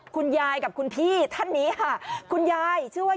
คุณยายกับคุณพี่ท่านนี้ค่ะคุณยายชื่อว่า